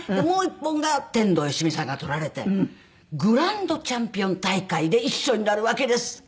もう一本が天童よしみさんが取られてグランドチャンピオン大会で一緒になるわけです。